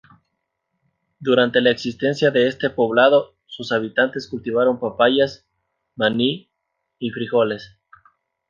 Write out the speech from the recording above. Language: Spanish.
Durante la existencia de este poblado sus habitantes cultivaron papayas, maní y frijoles.